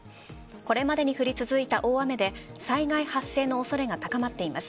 これまでに降り続いた大雨で災害発生の恐れが高まっています。